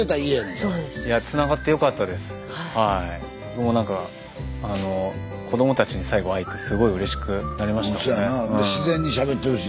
もう何か子どもたちに最後会えてすごいうれしくなりましたもんね。